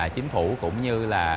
chính phủ cũng như